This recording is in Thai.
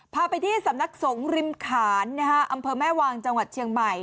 พาไปที่สำนักสงฆ์ริมขานอำเภอแม่วางจังหวัดเชียงใหม่